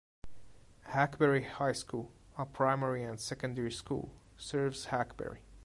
Hackberry High School, a primary and secondary school, serves Hackberry.